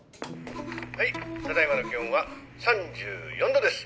はいただいまの気温は３４度です。